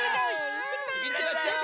いってらっしゃい！